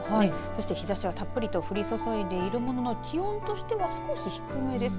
そして日ざしはたっぷりと降り注いでいるものの気温としては少し低めです。